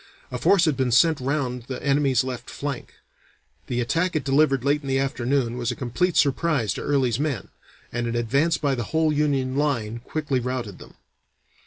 A force had been sent round the enemy's left flank; the attack it delivered late in the afternoon was a complete surprise to Early's men, and an advance by the whole Union line quickly routed them.